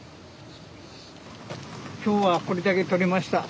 ・今日はこれだけとれました。